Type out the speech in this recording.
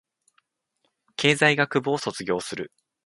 経済学部を卒業する